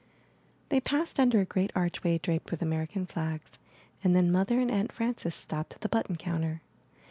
They passed under a great archway draped with American flags and then Mother and Aunt Frances stopped at the button counter.